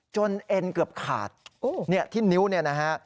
เอ็นเกือบขาดที่นิ้วเนี่ยนะฮะ